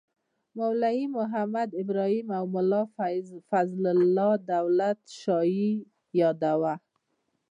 مولوي محمد ابراهیم او ملا فیض الله دولت شاهي یادوو.